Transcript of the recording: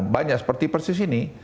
banyak seperti persis ini